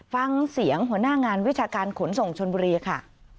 ฟังเสียงหัวหน้างานวิชาการขนส่งชนบุรีค่ะ